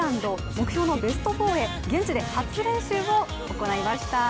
目標のベスト４へ現地で初練習を行いました。